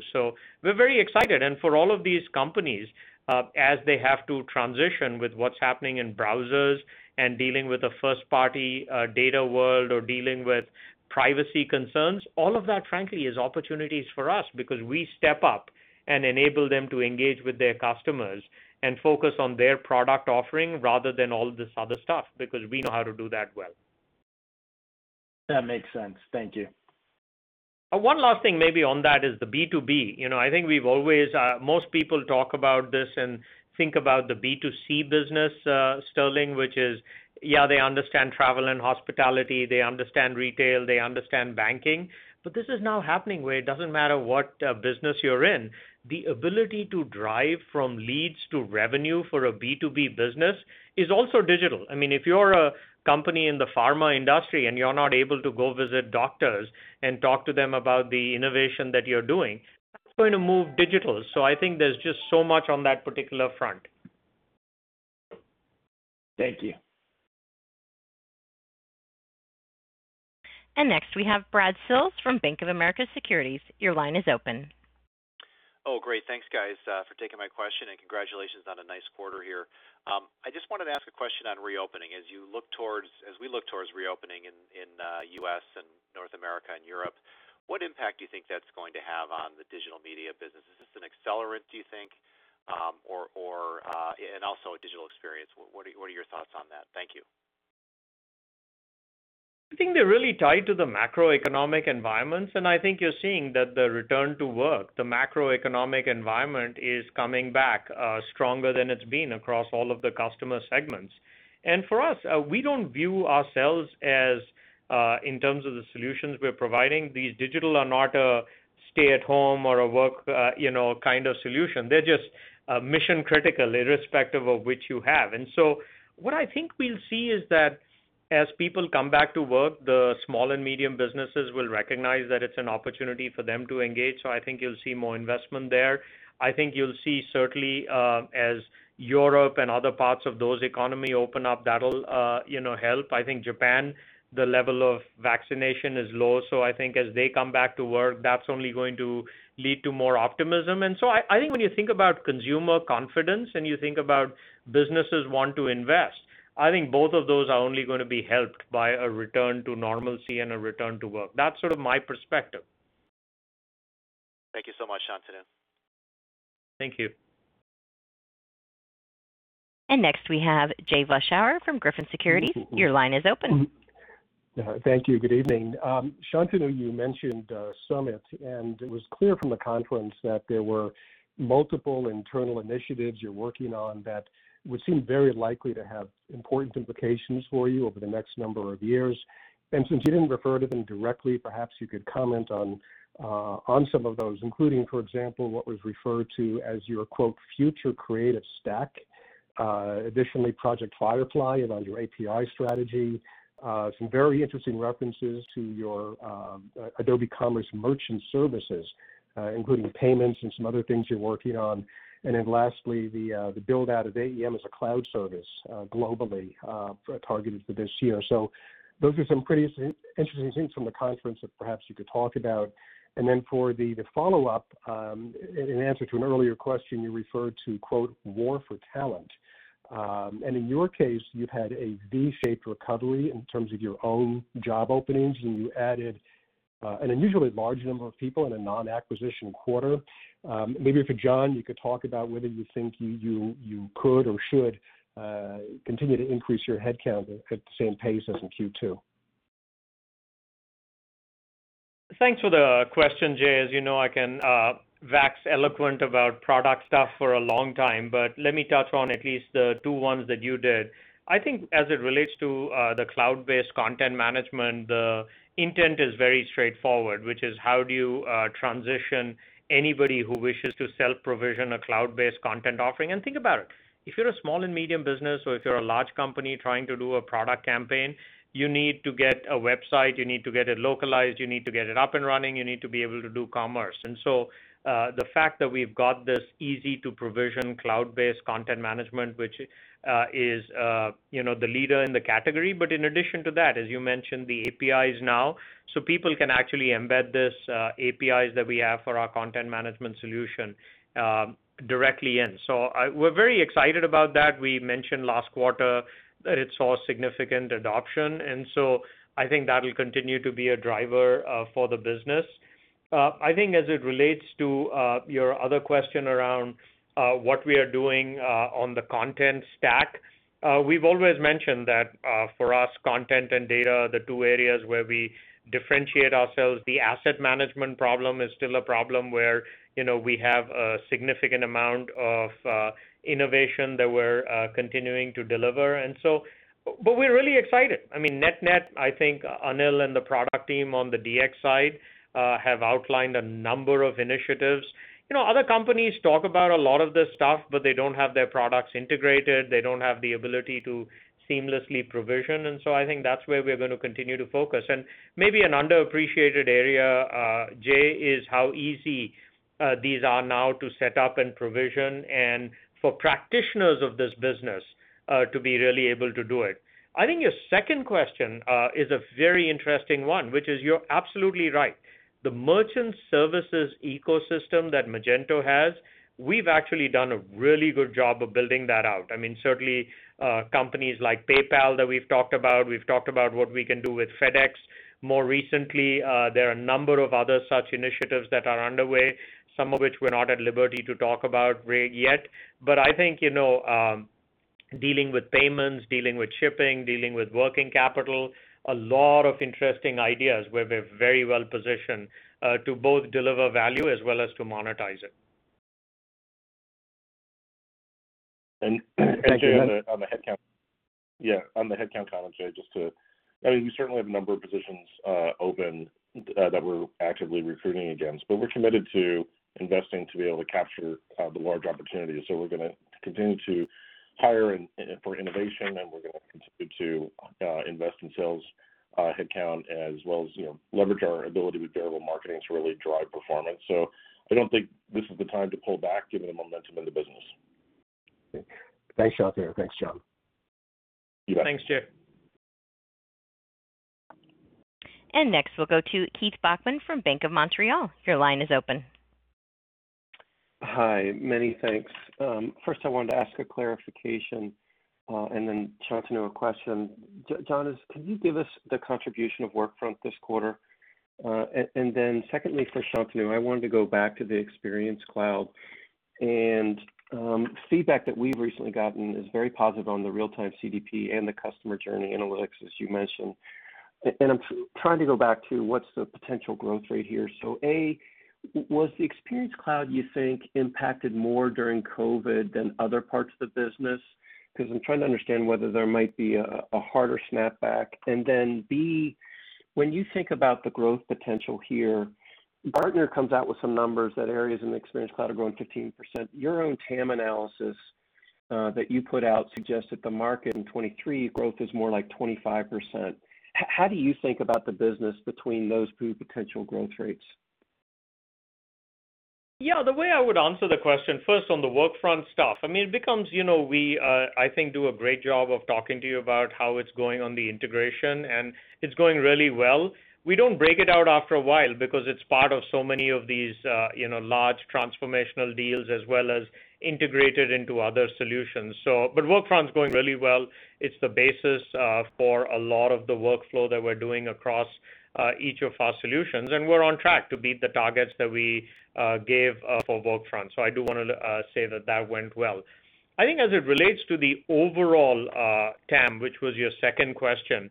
We're very excited. For all of these companies, as they have to transition with what's happening in browsers and dealing with a first-party data world or dealing with privacy concerns, all of that, frankly, is opportunities for us because we step up and enable them to engage with their customers and focus on their product offering rather than all this other stuff, because we know how to do that well. That makes sense. Thank you. One last thing maybe on that is the B2B. I think most people talk about this and think about the B2C business, Sterling, which is, yeah, they understand travel and hospitality, they understand retail, they understand banking, but this is now happening where it doesn't matter what business you're in, the ability to drive from leads to revenue for a B2B business is also digital. If you're a company in the pharma industry and you're not able to go visit doctors and talk to them about the innovation that you're doing, that's going to move digital. I think there's just so much on that particular front. Thank you. Next we have Brad Sills from Bank of America Securities. Your line is open. Oh, great. Thanks guys for taking my question and congratulations on a nice quarter here. I just wanted to ask a question on reopening. As we look towards reopening in U.S. and North America and Europe, what impact do you think that's going to have on the Digital Media business? Is this an accelerant, do you think? Also Digital Experience, what are your thoughts on that? Thank you. I think they're really tied to the macroeconomic environments, I think you're seeing that the return to work, the macroeconomic environment is coming back stronger than it's been across all of the customer segments. For us, we don't view ourselves as, in terms of the solutions we're providing, these digital are not a stay-at-home or a work kind of solution. They're just mission-critical, irrespective of which you have. What I think we'll see is that as people come back to work, the small and medium businesses will recognize that it's an opportunity for them to engage. I think you'll see more investment there. I think you'll see certainly as Europe and other parts of those economies open up, that'll help. I think Japan, the level of vaccination is low, so I think as they come back to work, that's only going to lead to more optimism. I think when you think about consumer confidence and you think about businesses want to invest, I think both of those are only going to be helped by a return to normalcy and a return to work. That's sort of my perspective. Thank you so much, Shantanu. Thank you. Next we have Jay Vleeschhouwer from Griffin Securities. Your line is open. Thank you. Good evening. Shantanu, you mentioned Summit. It was clear from the conference that there were multiple internal initiatives you're working on that would seem very likely to have important implications for you over the next number of years. Since you didn't refer to them directly, perhaps you could comment on some of those, including, for example, what was referred to as your, quote, "future creative stack." Additionally, Project Firefly around your API strategy. Some very interesting references to your Adobe Commerce merchant services, including payments and some other things you're working on. Lastly, the build-out of AEM as a cloud service globally targeted for this year. Those are some pretty interesting things from the conference that perhaps you could talk about. For the follow-up, in answer to an earlier question, you referred to, quote, "war for talent." In your case, you've had a V-shaped recovery in terms of your own job openings, and you added an unusually large number of people in a non-acquisition quarter. Maybe if John, you could talk about whether you think you could or should continue to increase your headcount at the same pace as in Q2. Thanks for the question, Jay. As you know, I can wax eloquent about product stuff for a long time, but let me touch on at least the two ones that you did. I think as it relates to the cloud-based content management, the intent is very straightforward, which is how do you transition anybody who wishes to self-provision a cloud-based content offering? Think about it. If you're a small and medium business, or if you're a large company trying to do a product campaign, you need to get a website, you need to get it localized, you need to get it up and running, you need to be able to do commerce. The fact that we've got this easy-to-provision cloud-based content management, which is the leader in the category, but in addition to that, as you mentioned, the APIs now. People can actually embed these APIs that we have for our content management solution directly in. We're very excited about that. We mentioned last quarter that it saw significant adoption, I think that'll continue to be a driver for the business. I think as it relates to your other question around what we are doing on the content stack, we've always mentioned that for us, content and data are the two areas where we differentiate ourselves. The asset management problem is still a problem where we have a significant amount of innovation that we're continuing to deliver. We're really excited. I mean, net-net, I think Anil and the product team on the DX side have outlined a number of initiatives. Other companies talk about a lot of this stuff, they don't have their products integrated. They don't have the ability to seamlessly provision. I think that's where we're going to continue to focus. Maybe an underappreciated area, Jay, is how easy these are now to set up and provision and for practitioners of this business to be really able to do it. I think your second question is a very interesting one, which is, you're absolutely right. The merchant services ecosystem that Adobe Commerce has, we've actually done a really good job of building that out. Certainly companies like PayPal that we've talked about, we've talked about what we can do with FedEx more recently. There are a number of other such initiatives that are underway, some of which we're not at liberty to talk about yet. I think, dealing with payments, dealing with shipping, dealing with working capital, a lot of interesting ideas where we're very well positioned to both deliver value as well as to monetize it. Jay, on the headcount challenge there, I mean, we certainly have a number of positions open that we're actively recruiting against, but we're committed to investing to be able to capture the large opportunities. We're going to continue to hire for innovation, and we're going to continue to invest in sales headcount as well as leverage our ability with variable marketing to really drive performance. I don't think this is the time to pull back given the momentum of the business. Thanks, Jay. Next, we'll go to Keith Bachman from Bank of Montreal. Your line is open. Hi, many thanks. First I wanted to ask a clarification, and then Shantanu a question. John, could you give us the contribution of Workfront this quarter? Secondly, for Shantanu, I wanted to go back to the Experience Cloud and feedback that we've recently gotten is very positive on the Real-Time CDP and the Customer Journey Analytics, as you mentioned. I'm trying to go back to what's the potential growth rate here. A, was the Experience Cloud, you think, impacted more during COVID than other parts of the business? Because I'm trying to understand whether there might be a harder snapback. B, when you think about the growth potential here, Gartner comes out with some numbers that areas in Experience Cloud are growing 15%. Your own TAM analysis that you put out suggests that the market in 2023 growth is more like 25%. How do you think about the business between those two potential growth rates? Yeah, the way I would answer the question, first on the Workfront stuff, I mean, it becomes, we, I think, do a great job of talking to you about how it's going on the integration, and it's going really well. We don't break it out after a while because it's part of so many of these large transformational deals as well as integrated into other solutions. Workfront's going really well. It's the basis for a lot of the workflow that we're doing across each of our solutions, and we're on track to beat the targets that we gave for Workfront. I do want to say that that went well. I think as it relates to the overall TAM, which was your second question,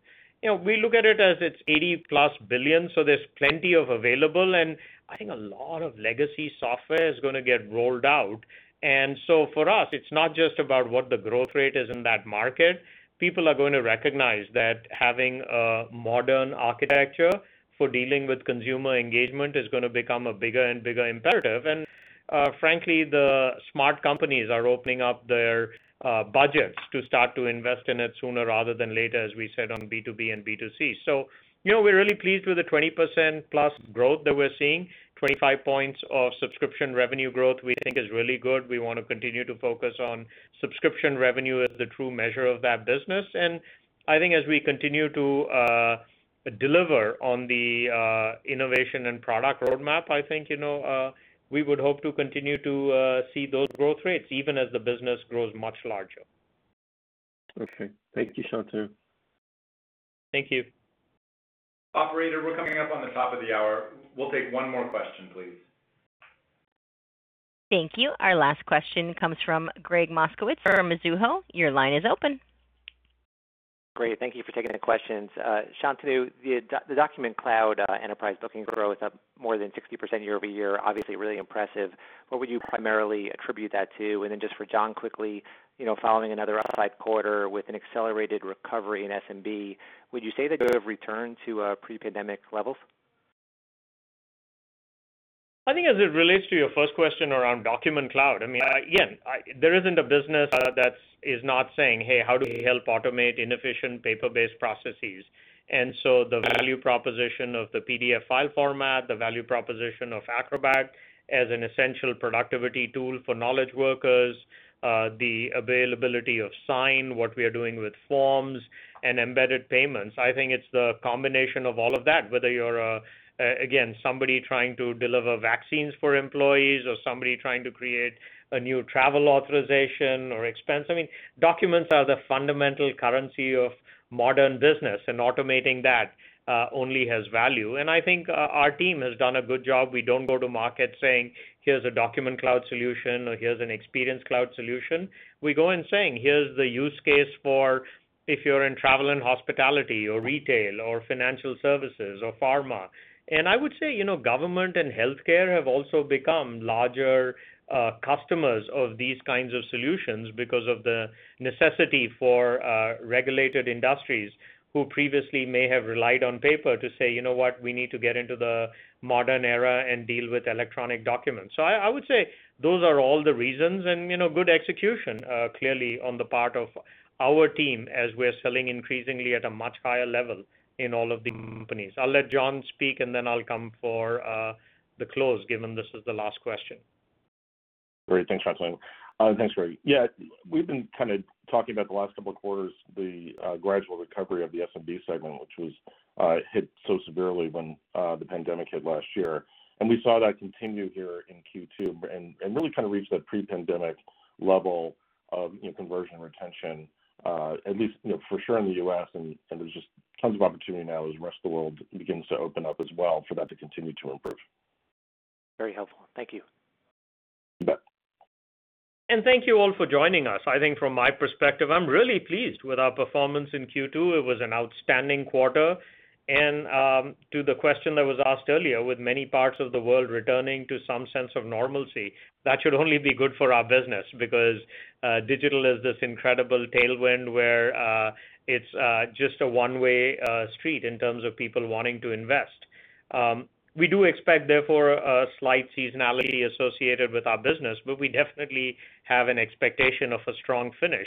we look at it as it's $80+ billion. There's plenty available. I think a lot of legacy software is going to get rolled out. For us, it's not just about what the growth rate is in that market. People are going to recognize that having a modern architecture for dealing with consumer engagement is going to become a bigger and bigger imperative. Frankly, the smart companies are opening up their budgets to start to invest in it sooner rather than later, as we said on B2B and B2C. We're really pleased with the 20%+ growth that we're seeing. 25 points of subscription revenue growth we think is really good. We want to continue to focus on subscription revenue as the true measure of that business. I think as we continue to deliver on the innovation and product roadmap. I think, we would hope to continue to see those growth rates even as the business grows much larger. Okay. Thank you, Shantanu. Thank you. Operator, we're coming up on the top of the hour. We'll take one more question, please. Thank you. Our last question comes from Gregg Moskowitz from Mizuho. Your line is open. Great. Thank you for taking the questions. Shantanu, the Document Cloud enterprise looking to grow with more than 60% year-over-year, obviously really impressive. What would you primarily attribute that to? Just for John quickly, following another outside quarter with an accelerated recovery in SMB, would you say that you have returned to pre-pandemic levels? I think as it relates to your first question around Document Cloud, there isn't a business that is not saying, "Hey, how do we help automate inefficient paper-based processes?" The value proposition of the PDF file format, the value proposition of Acrobat as an essential productivity tool for knowledge workers, the availability of Sign, what we are doing with forms, and embedded payments, I think it's the combination of all of that, whether you're somebody trying to deliver vaccines for employees or somebody trying to create a new travel authorization or expense. I mean, documents are the fundamental currency of modern business, and automating that only has value. I think our team has done a good job. We don't go to market saying, "Here's a Document Cloud solution," or, "Here's an Experience Cloud solution." We go in saying, "Here's the use case for if you're in travel and hospitality or retail or financial services or pharma." I would say, government and healthcare have also become larger customers of these kinds of solutions because of the necessity for regulated industries who previously may have relied on paper to say, "You know what? We need to get into the modern era and deal with electronic documents." I would say those are all the reasons and good execution, clearly, on the part of our team as we're selling increasingly at a much higher level in all of these companies. I'll let John speak, and then I'll come for the close, given this is the last question. Great. Thanks, Shantanu. Thanks, Gregg. We've been kind of talking about the last couple of quarters, the gradual recovery of the SMB segment, which was hit so severely when the pandemic hit last year. We saw that continue here in Q2, and really trying to reach the pre-pandemic level of conversion retention, at least for sure in the U.S., and there's just tons of opportunity now as the rest of the world begins to open up as well for that to continue to improve. Very helpful. Thank you. You bet. Thank you all for joining us. I think from my perspective, I'm really pleased with our performance in Q2. It was an outstanding quarter. To the question that was asked earlier, with many parts of the world returning to some sense of normalcy, that should only be good for our business because digital is this incredible tailwind where it's just a one-way street in terms of people wanting to invest. We do expect, therefore, a slight seasonality associated with our business, but we definitely have an expectation of a strong finish.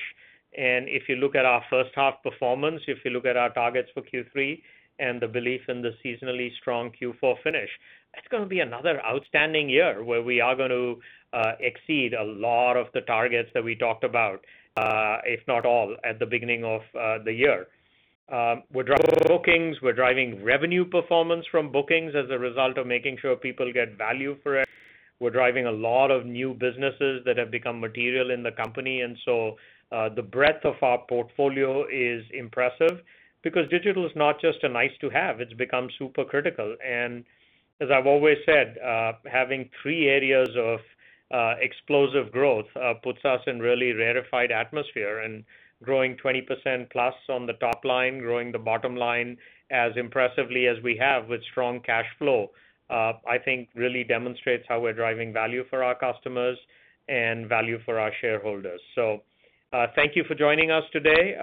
If you look at our first half performance, if you look at our targets for Q3 and the belief in the seasonally strong Q4 finish, that's going to be another outstanding year where we are going to exceed a lot of the targets that we talked about, if not all, at the beginning of the year. We're driving bookings. We're driving revenue performance from bookings as a result of making sure people get value for it. We're driving a lot of new businesses that have become material in the company. The breadth of our portfolio is impressive because digital is not just a nice-to-have, it's become super critical. As I've always said, having three areas of explosive growth puts us in really rarefied atmosphere and growing 20%+ on the top line, growing the bottom line as impressively as we have with strong cash flow, I think really demonstrates how we're driving value for our customers and value for our shareholders. Thank you for joining us today,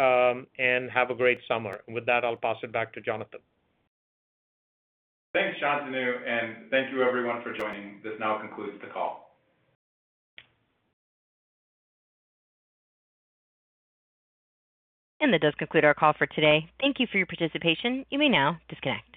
and have a great summer. With that, I'll pass it back to Jonathan. Thanks, Shantanu, and thank you everyone for joining. This now concludes the call. That does conclude our call for today. Thank you for your participation. You may now disconnect.